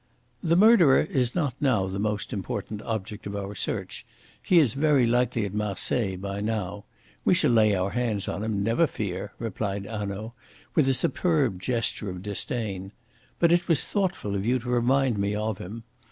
"The murderer is not now the most important object of our search. He is very likely at Marseilles by now. We shall lay our hands on him, never fear," replied Hanaud, with a superb gesture of disdain. "But it was thoughtful of you to remind me of him.